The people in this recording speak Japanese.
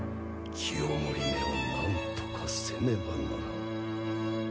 清盛めをなんとかせねばならぬ。